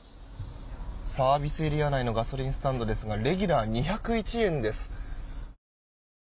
サービスエリア内のガソリンスタンドですがレギュラー、２０１円です。